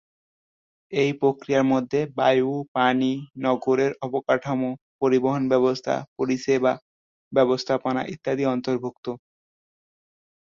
এই প্রক্রিয়ার মধ্যে বায়ু, পানি, নগরের অবকাঠামো, পরিবহণ ব্যবস্থা, পরিষেবা ব্যবস্থাপনা ইত্যাদি অন্তর্ভুক্ত।